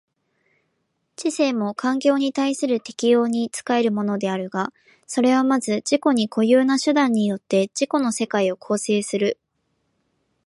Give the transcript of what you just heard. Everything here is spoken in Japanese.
知性も環境に対する適応に仕えるものであるが、それはまず自己に固有な手段によって自己の世界を構成する。